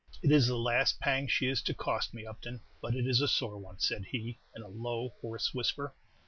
"It is the last pang she is to cost me, Upton, but it is a sore one!" said he, in a low, hoarse whisper.